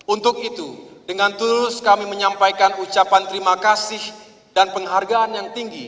untuk itu dengan tulus kami menyampaikan ucapan terima kasih dan penghargaan yang tinggi